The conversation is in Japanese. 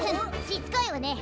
しつこいわね。